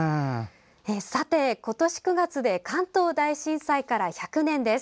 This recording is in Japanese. さて、今年９月で関東大震災から１００年です。